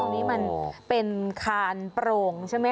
ดักนกรรมั้ง